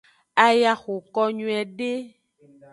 Aya xoko nyuiede.